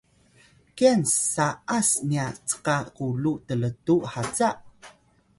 kyan sa’as nya cka kulu tl’tu haca?